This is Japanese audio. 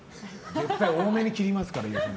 絶対多めに切りますから。